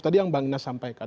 tadi yang bang inas sampaikan